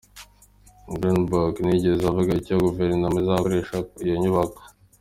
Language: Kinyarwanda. Grundboeck ntiyigeze avuga icyo guverinoma izakoresha iyo inyubako.